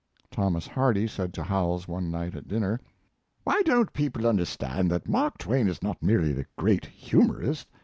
Thomas Hardy said to Howells one night at dinner: "Why don't people understand that Mark Twain is not merely a great humorist?